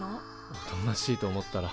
おとなしいと思ったら。